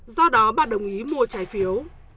do đó bà đồng ý mua trái phiếu